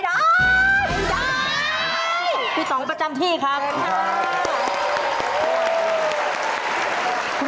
ฟันผมอย่างนี้